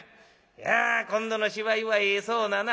いや今度の芝居はええそうなな。